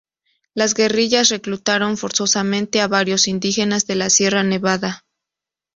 Las guerrillas reclutaron forzosamente a varios indígenas de la Sierra Nevada.